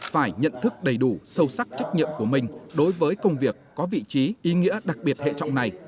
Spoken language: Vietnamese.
phải nhận thức đầy đủ sâu sắc trách nhiệm của mình đối với công việc có vị trí ý nghĩa đặc biệt hệ trọng này